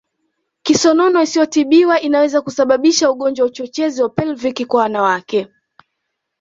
Kisonono isiyotibiwa inaweza kusababisha ugonjwa wa uchochezi wa Pelvic kwa wanawake